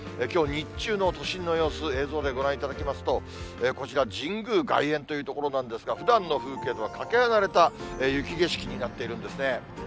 きょう日中の都心の様子、映像でご覧いただきますと、こちら、神宮外苑という所なんですが、ふだんの風景とはかけ離れた雪景色になっているんですね。